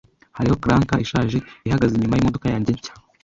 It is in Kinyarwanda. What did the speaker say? Hariho clunker ishaje ihagaze inyuma yimodoka yanjye nshya.